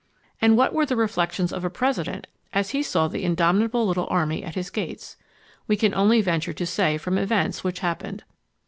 And what were the reflections of a President as he saw the indomitable little army at his gates? We can only venture to say from events which happened.